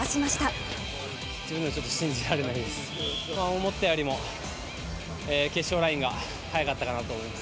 思ったよりも決勝ラインが速かったかなと思います。